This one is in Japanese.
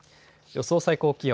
予想最高気温。